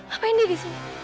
apa yang dia di sini